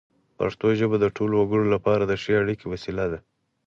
پښتو ژبه د ټولو وګړو لپاره د ښې اړیکې وسیله ده.